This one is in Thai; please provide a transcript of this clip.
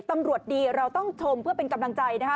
ตำรวจดีเราต้องชมเพื่อเป็นกำลังใจนะคะ